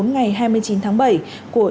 ngày hai mươi chín tháng bảy của